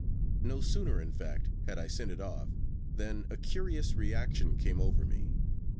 No sooner, in fact, had I sent it off than a curious reaction came over me.